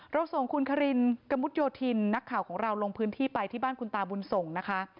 ส่งคุณคารินกะมุดโยธินนักข่าวของเราลงพื้นที่ไปที่บ้านคุณตาบุญส่งนะคะ